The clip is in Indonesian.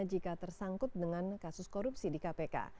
jika tersangkut dengan kasus korupsi di kpk